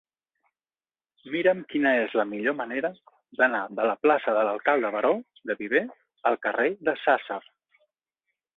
Mira'm quina és la millor manera d'anar de la plaça de l'Alcalde Baró de Viver al carrer de Sàsser.